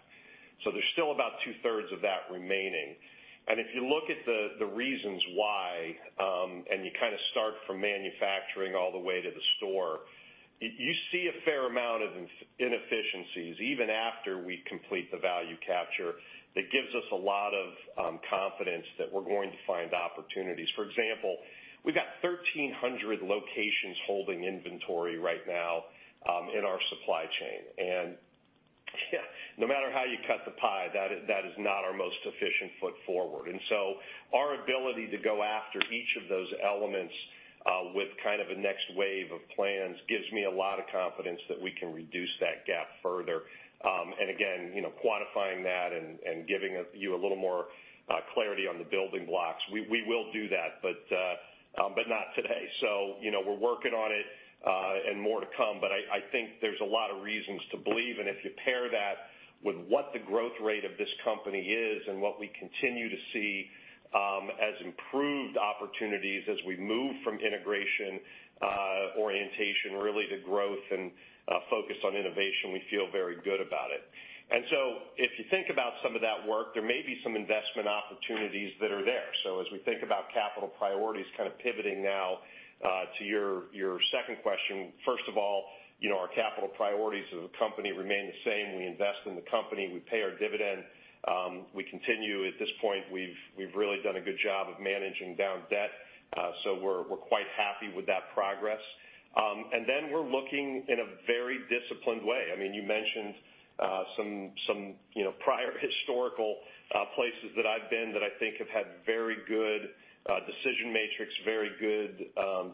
There's still about two-thirds of that remaining. If you look at the reasons why, and you start from manufacturing all the way to the store, you see a fair amount of inefficiencies, even after we complete the value capture, that gives us a lot of confidence that we're going to find opportunities. For example, we've got 1,300 locations holding inventory right now in our supply chain. No matter how you cut the pie, that is not our most efficient foot forward. Our ability to go after each of those elements, with a next wave of plans, gives me a lot of confidence that we can reduce that gap further. Again, quantifying that and giving you a little more clarity on the building blocks, we will do that, but not today. We're working on it, and more to come, but I think there's a lot of reasons to believe, and if you pair that with what the growth rate of this company is and what we continue to see as improved opportunities as we move from integration orientation really to growth and a focus on innovation, we feel very good about it. If you think about some of that work, there may be some investment opportunities that are there. As we think about capital priorities, kind of pivoting now to your second question, first of all, our capital priorities as a company remain the same. We invest in the company, we pay our dividend, we continue. At this point, we've really done a good job of managing down debt. We're quite happy with that progress. Then we're looking in a very disciplined way. You mentioned some prior historical places that I've been that I think have had very good decision matrix, very good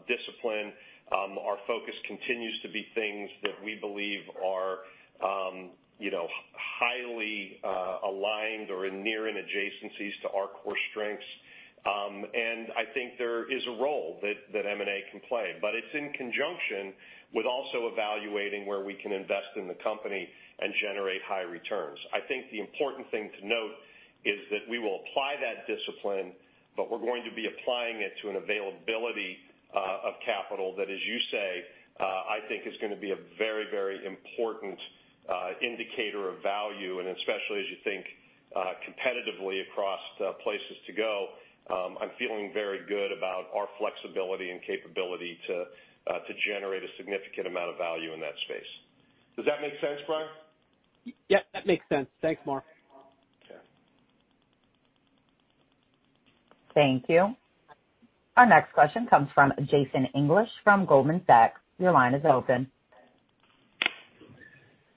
discipline. Our focus continues to be things that we believe are highly aligned or in near end adjacencies to our core strengths. I think there is a role that M&A can play, but it's in conjunction with also evaluating where we can invest in the company and generate high returns. I think the important thing to note is that we will apply that discipline, but we're going to be applying it to an availability of capital that, as you say, I think is going to be a very important indicator of value, and especially as you think competitively across places to go. I'm feeling very good about our flexibility and capability to generate a significant amount of value in that space. Does that make sense, Bryan? Yep, that makes sense. Thanks, Mark. Thank you. Our next question comes from Jason English from Goldman Sachs. Your line is open.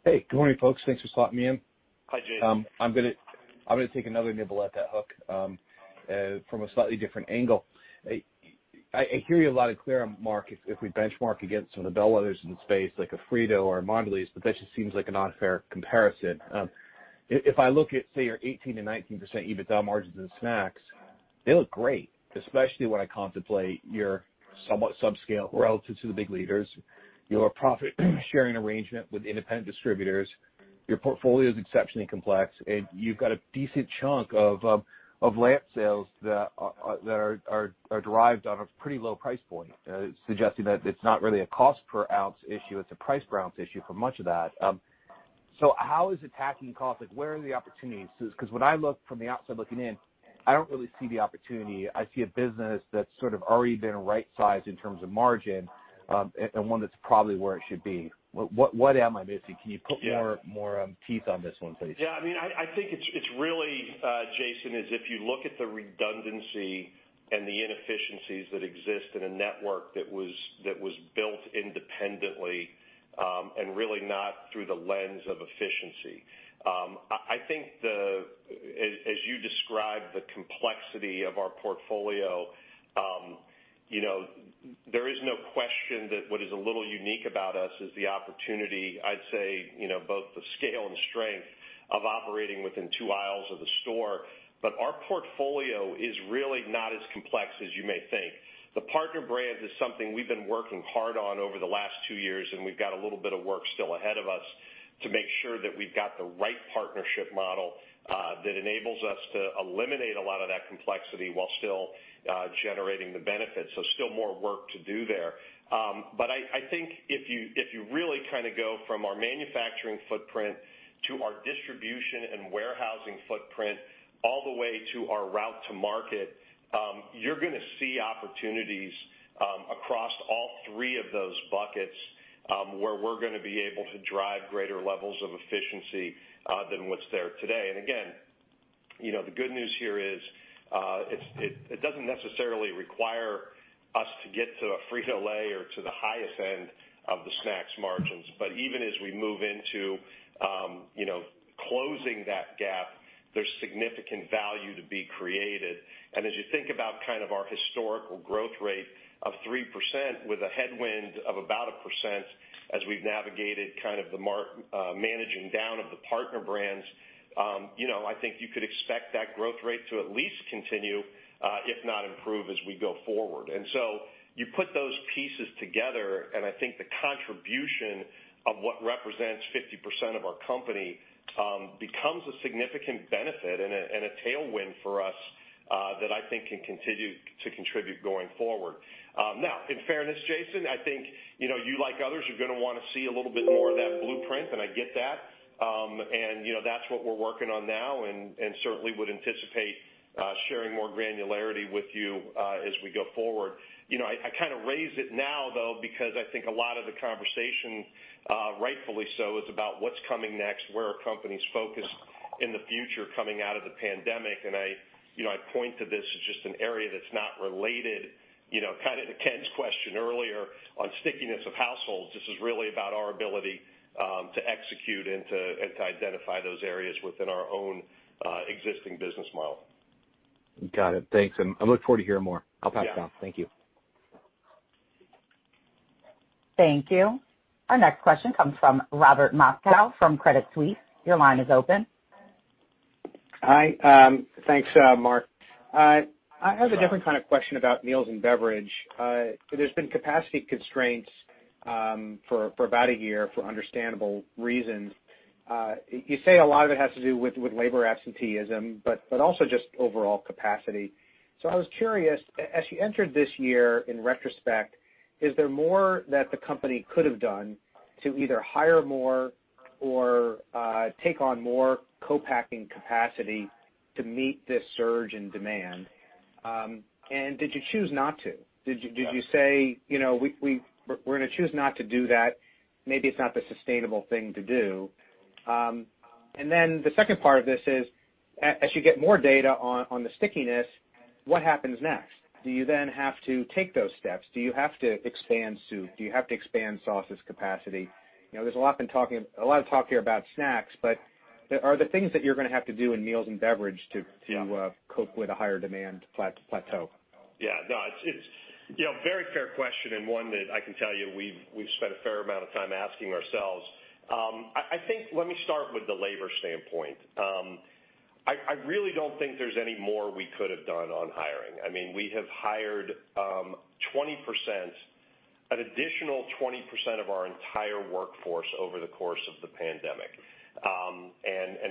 Hey, good morning, folks. Thanks for slotting me in. Hi, Jason. I'm going to take another nibble at that hook from a slightly different angle. I hear you a lot clearer, Mark, if we benchmark against some of the bellwethers in the space, like a Frito or a Mondelez, that just seems like an unfair comparison. If I look at, say, your 18%-19% EBITDA margins in snacks, they look great, especially when I contemplate your somewhat subscale relative to the big leaders, your profit sharing arrangement with independent distributors, your portfolio is exceptionally complex, and you've got a decent chunk of Lance sales that are derived on a pretty low price point, suggesting that it's not really a cost per ounce issue, it's a price per ounce issue for much of that. How is attacking cost, where are the opportunities? When I look from the outside looking in, I don't really see the opportunity. I see a business that's sort of already been right-sized in terms of margin, and one that's probably where it should be. What am I missing? Can you put more teeth on this one, please? Yeah, I think it's really, Jason, if you look at the redundancy and the inefficiencies that exist in a network that was built independently, and really not through the lens of efficiency. I think as you described the complexity of our portfolio, there is no question that what is a little unique about us is the opportunity, I'd say, both the scale and strength of operating within two aisles of the store. Our portfolio is really not as complex as you may think. The partner brand is something we've been working hard on over the last two years, and we've got a little bit of work still ahead of us to make sure that we've got the right partnership model that enables us to eliminate a lot of that complexity while still generating the benefits. Still more work to do there. I think if you really go from our manufacturing footprint to our distribution and warehousing footprint, all the way to our route to market, you're going to see opportunities across all three of those buckets, where we're going to be able to drive greater levels of efficiency, than what's there today. Again, the good news here is, it doesn't necessarily require us to get to a Frito-Lay or to the highest end of the snacks margins. Even as we move into closing that gap, there's significant value to be created. As you think about our historical growth rate of 3% with a headwind of about 1%, as we've navigated the managing down of the partner brands, I think you could expect that growth rate to at least continue, if not improve, as we go forward. You put those pieces together, and I think the contribution of what represents 50% of our company becomes a significant benefit and a tailwind for us that I think can continue to contribute going forward. Now, in fairness, Jason, I think, you, like others, are going to want to see a little bit more of that blueprint, and I get that. That's what we're working on now and certainly would anticipate sharing more granularity with you as we go forward. I raise it now, though, because I think a lot of the conversation, rightfully so, is about what's coming next, where are companies focused in the future coming out of the pandemic, and I point to this as just an area that's not related, kind of to Ken's question earlier on stickiness of households. This is really about our ability to execute and to identify those areas within our own existing business model. Got it. Thanks. I look forward to hearing more. I'll pass it on. Thank you. Thank you. Our next question comes from Robert Moskow from Credit Suisse. Your line is open. Hi. Thanks, Mark. I have a different kind of question about Meals & Beverage. There's been capacity constraints for about a year for understandable reasons. You say a lot of it has to do with labor absenteeism, also just overall capacity. I was curious, as you entered this year in retrospect, is there more that the company could have done to either hire more or take on more co-packing capacity to meet this surge in demand? Did you choose not to? Did you say, "We're going to choose not to do that. Maybe it's not the sustainable thing to do"? Then the second part of this is, as you get more data on the stickiness, what happens next? Do you then have to take those steps? Do you have to expand soup? Do you have to expand sauces capacity? There's a lot of talk here about snacks, but are there things that you're going to have to do in Meals & Beverage to cope with a higher demand plateau? Yeah. No, it's a very fair question and one that I can tell you we've spent a fair amount of time asking ourselves. Let me start with the labor standpoint. I really don't think there's any more we could have done on hiring. We have hired an additional 20% of our entire workforce over the course of the pandemic.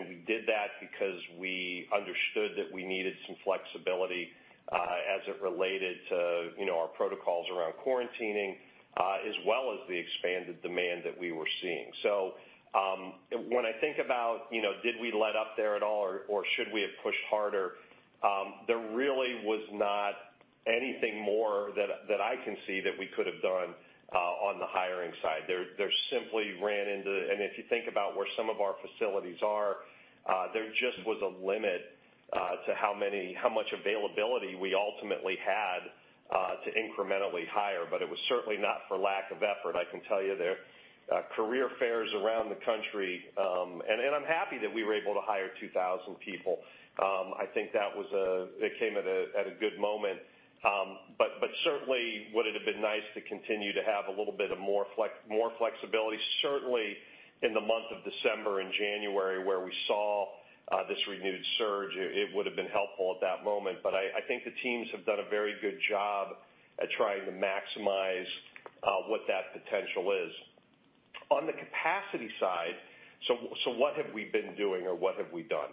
We did that because we understood that we needed some flexibility as it related to our protocols around quarantining, as well as the expanded demand that we were seeing. When I think about did we let up there at all or should we have pushed harder, there was not anything more that I can see that we could have done on the hiring side. If you think about where some of our facilities are, there just was a limit to how much availability we ultimately had to incrementally hire. It was certainly not for lack of effort, I can tell you, there are career fairs around the country. I'm happy that we were able to hire 2,000 people. I think that came at a good moment. Certainly would it have been nice to continue to have a little bit of more flexibility, certainly in the month of December and January, where we saw this renewed surge. It would've been helpful at that moment. I think the teams have done a very good job at trying to maximize what that potential is. On the capacity side, what have we been doing or what have we done?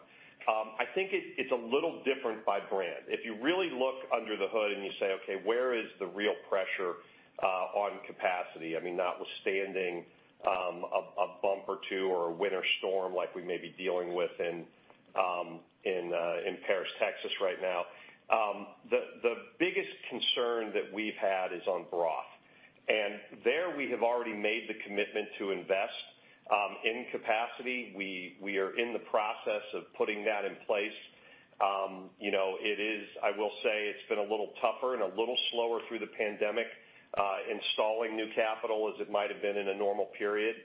I think it's a little different by brand. If you really look under the hood and you say, "Okay, where is the real pressure on capacity?" notwithstanding a bump or two or a winter storm like we may be dealing with in Paris, Texas, right now. The biggest concern that we've had is on broth. There we have already made the commitment to invest in capacity. We are in the process of putting that in place. I will say it's been a little tougher and a little slower through the pandemic, installing new capital as it might've been in a normal period.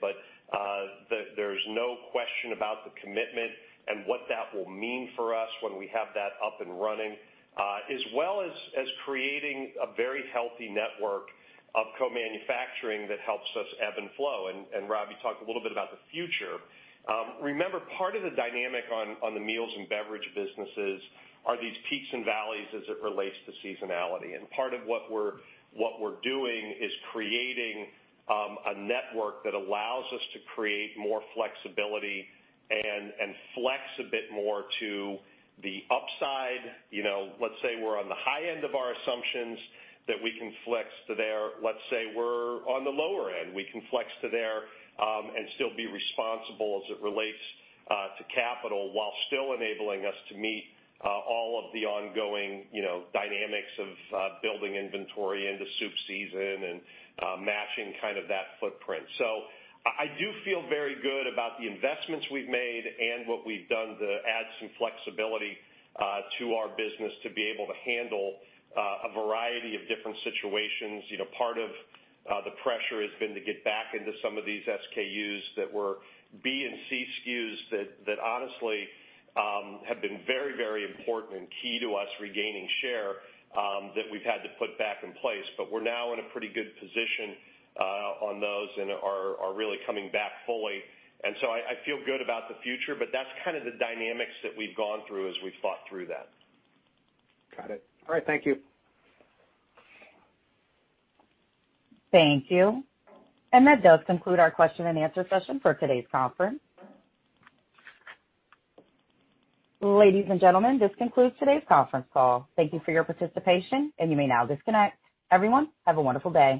There's no question about the commitment and what that will mean for us when we have that up and running. As well as creating a very healthy network of co-manufacturing that helps us ebb and flow. Rob, you talked a little bit about the future. Remember, part of the dynamic on the Meals & Beverage businesses are these peaks and valleys as it relates to seasonality. Part of what we're doing is creating a network that allows us to create more flexibility and flex a bit more to the upside. Let's say we're on the high end of our assumptions, that we can flex to there. Let's say we're on the lower end, we can flex to there, and still be responsible as it relates to capital, while still enabling us to meet all of the ongoing dynamics of building inventory into soup season and matching that footprint. I do feel very good about the investments we've made and what we've done to add some flexibility to our business to be able to handle a variety of different situations. Part of the pressure has been to get back into some of these SKUs that were B and C SKUs that honestly, have been very important and key to us regaining share, that we've had to put back in place. We're now in a pretty good position on those and are really coming back fully. I feel good about the future, but that's the dynamics that we've gone through as we've thought through that. Got it. All right, thank you. Thank you. That does conclude our question and answer session for today's conference. Ladies and gentlemen, this concludes today's conference call. Thank you for your participation, and you may now disconnect. Everyone, have a wonderful day.